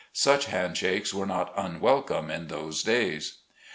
Such hand shakes were not unwelcome in those days.